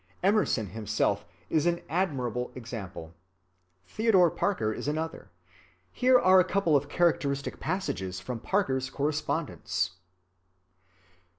Emerson himself is an admirable example. Theodore Parker is another,—here are a couple of characteristic passages from Parker's correspondence.